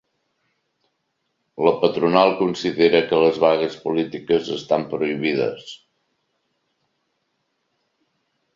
La patronal considera que les vagues polítiques estan prohibides.